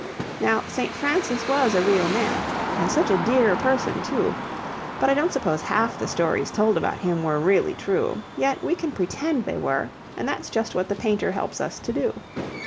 Now, St. Francis was a real man and such a dear person too, but I don't suppose half the stories told about him were really true, yet we can pretend they were and that's just what the painter helps us to do.